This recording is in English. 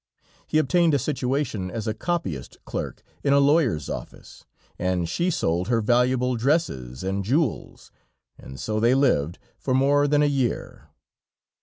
He obtained a situation as a copyist clerk in a lawyer's office, and she sold her valuable dresses and jewels, and so they lived for more than a year.